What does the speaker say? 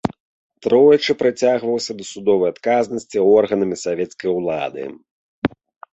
Тройчы прыцягваўся да судовай адказнасці органамі савецкай улады.